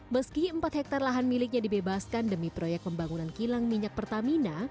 meski empat hektare lahan miliknya dibebaskan demi proyek pembangunan kilang minyak pertamina